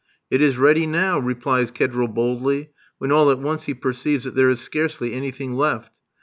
"It is ready now," replies Kedril boldly, when all at once he perceives that there is scarcely anything left.